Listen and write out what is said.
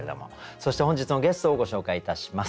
そして本日のゲストをご紹介いたします。